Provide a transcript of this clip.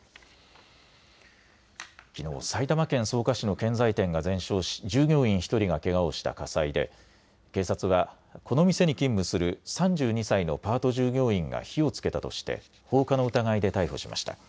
きのう、埼玉県草加市の建材店が全焼し従業員１人がけがをした火災で警察はこの店に勤務する３２歳のパート従業員が火をつけたとして放火の疑いで逮捕しました。